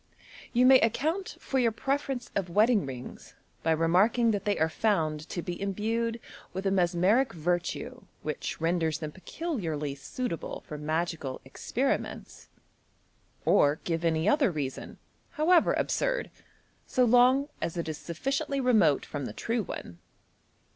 You may account for your preference of wedding rings by remarking that they are found to be imbued with a mesmeric virtue which renders them peculiarly suitable for magical experiments j or give any other reason, however absurd, so long as it is sufficiently remote from the true one.